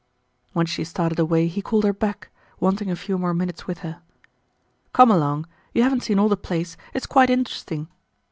When she started away he called her back, wanting a few more minutes with her. "Come along. You haven't seen all the place. It's quite interesting."